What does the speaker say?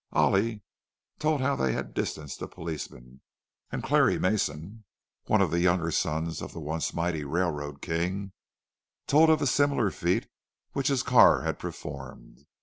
"Ollie" told how they had distanced the policeman; and Clarrie Mason (one of the younger sons of the once mighty railroad king) told of a similar feat which his car had performed.